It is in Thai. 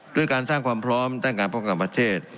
ด้วยการสร้างความพร้อมด้านการป้องกันประเทศ